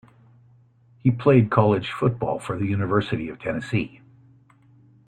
He played college football for the University of Tennessee.